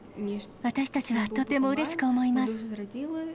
私たちはとてもうれしく思います。